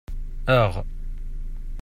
Aɣ.